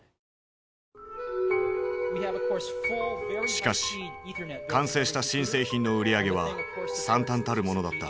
しかし完成した新製品の売り上げはさんたんたるものだった。